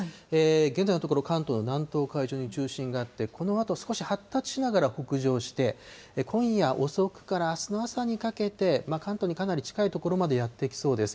現在のところ関東の南東海上を中心があって、このあと少し発達しながら北上して今夜遅くからあすの朝にかけて、関東にかなり近い所にまでやって来そうです。